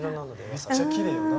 めっちゃきれいよな。